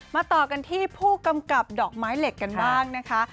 ต่อกันที่ผู้กำกับดอกไม้เหล็กกันบ้างนะคะ